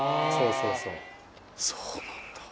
そうなんだ。